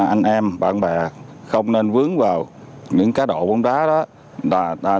anh em bạn bè không nên vướng vào những cá độ bóng đá đó